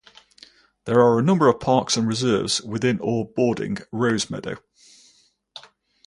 There are a number of parks and reserves within or boarding Rosemeadow.